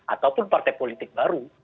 ataupun partai politik baru